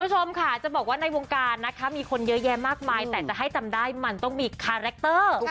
คุณผู้ชมค่ะจะบอกว่าในวงการนะคะมีคนเยอะแยะมากมายแต่จะให้จำได้มันต้องมีคาแรคเตอร์